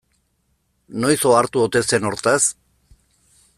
Noiz ohartu ote zen hortaz?